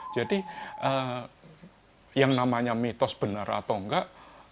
jadi yang namanya mitos benar atau enggak